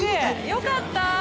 よかったー。